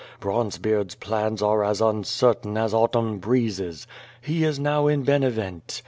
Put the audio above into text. Bronzebeard's plans arc as uncertain as autumn breezes. lie is now in Benevent.